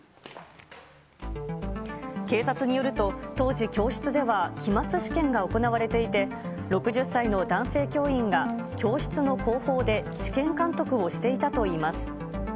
警察によると、当時、教室では期末試験が行われていて、６０歳の男性教員が教室の後方で試験監督をしていたといいます。